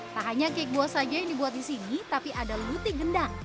tak hanya kek buah saja yang dibuat di sini tapi ada luti gendang